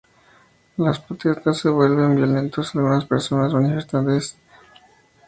Las protestas se vuelven violentos, algunas personas, manifestantes y la Gendarmería miembros resultaron heridos.